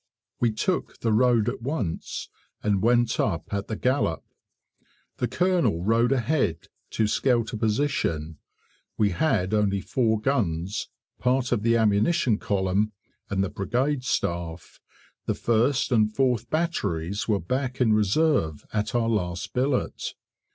We took the road at once, and went up at the gallop. The Colonel rode ahead to scout a position (we had only four guns, part of the ammunition column, and the brigade staff; the 1st and 4th batteries were back in reserve at our last billet).